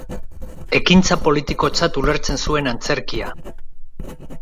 Ekintza politikotzat ulertzen zuen antzerkia.